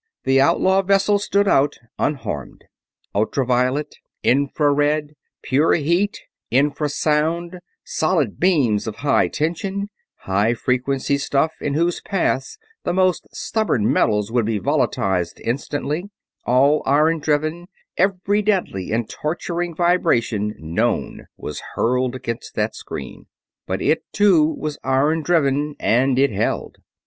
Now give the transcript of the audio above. The outlaw vessel stood out, unharmed. Ultra violet, infra red, pure heat, infra sound, solid beams of high tension, high frequency stuff in whose paths the most stubborn metals would be volatilized instantly, all iron driven; every deadly and torturing vibration known was hurled against that screen: but it, too, was iron driven, and it held.